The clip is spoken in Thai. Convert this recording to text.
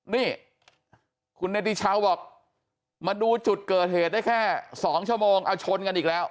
นี่คุณเนติชาวบอกมาดูจุดเกิดเหตุได้แค่๒ชั่วโมงเอาชนกันอีกแล้ว